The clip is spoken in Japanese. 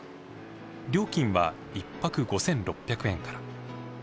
料金は１泊５，６００円から。